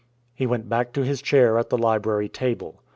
He went back to his chair at the library table.